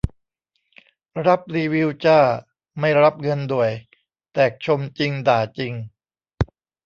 รับรีวิวจ้า ไม่รับเงินด่วย แต่ชมจริงด่าจริง